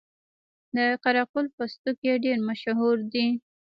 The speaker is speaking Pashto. د قره قل پوستکي ډیر مشهور دي